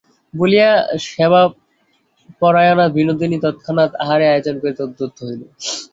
বলিয়া সেবাপরায়ণা বিনোদিনী তৎক্ষণাৎ আহারের আয়োজন করিতে উদ্যত হইল।